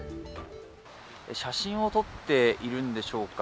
写真を撮っているんでしょうか